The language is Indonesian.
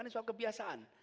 ini soal kebiasaan